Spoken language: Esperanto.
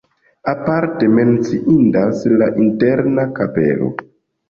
Aparte menciindas la interna kapelo.